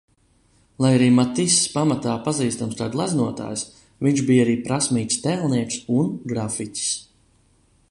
Lai arī Matiss pamatā pazīstams kā gleznotājs, viņš bija arī prasmīgs tēlnieks un grafiķis.